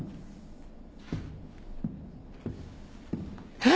えっ！？